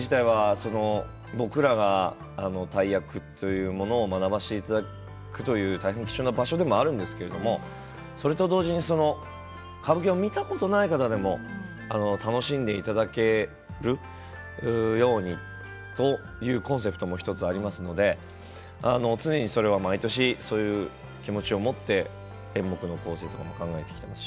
「浅草歌舞伎」自体は僕らが大役というものを学ばせていただくという大変貴重な場所でもあるんですけどそれと同時に歌舞伎を見たことない方でも楽しんでいただけるようにというコンセプトも１つありますので常にそれは毎年そういう気持ちを持って演目の構成も考えてきているし